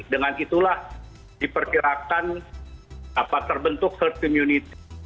dengan itulah diperkirakan terbentuk health community